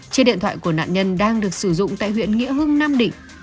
chiếc điện thoại của nạn nhân đang được sử dụng tại huyện nghĩa hưng nam định